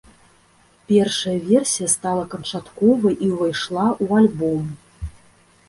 Першая версія стала канчатковай і ўвайшла ў альбом.